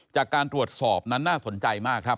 จากการตรวจสอบนั้นน่าสนใจมากครับ